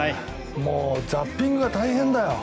もうザッピングが大変だよ。